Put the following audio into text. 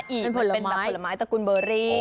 เป็นผลไม้ตระกูลเบอร์รี่